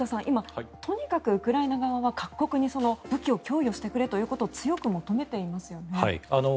今、とにかくウクライナ側は各国に武器を供与してくれということを強く求めていますよね。